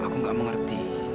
aku gak mengerti